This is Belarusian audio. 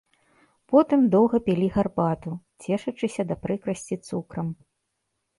Потым доўга пілі гарбату, цешачыся да прыкрасці цукрам.